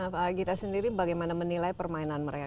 pak agita sendiri bagaimana menilai permainan mereka